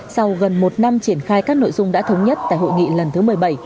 sau gần một năm triển khai các nội dung đã thống nhất tại hội nghị lần thứ một mươi bảy